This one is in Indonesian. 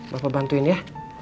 bapak bantuin ya